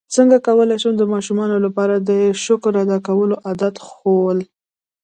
څنګه کولی شم د ماشومانو لپاره د شکر ادا کولو عادت ښوول